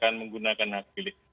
katakan menggunakan hak pilih